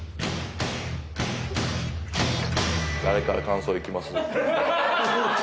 誰から感想いきます？